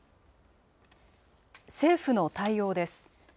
政府の対応です。